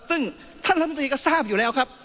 ซึ่งท่านรัฐมนตรีก็ทราบอยู่แล้วครับ